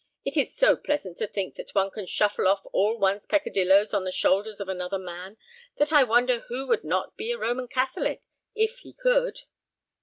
It is so pleasant to think that one can shuffle off all one's peccadilloes on the shoulders of another man, that I wonder who would not be a Roman Catholic, if he could."